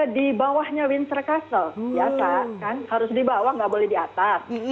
di bawahnya windsor castle biasa kan harus di bawah nggak boleh di atas